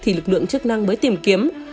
thì lực lượng chức năng mới tìm kiếm